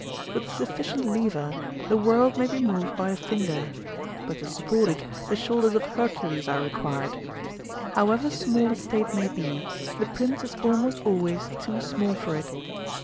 With a suf ficient lever, the world may be moved by a finger; but to support it the shoulders of Hercules are required. However small a State may be, the prince is almost always too small for it.